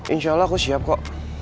insya allah aku siap kok